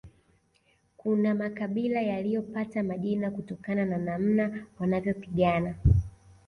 Kuna makabila yaliyopata majina kutokana na namna wanavyopigana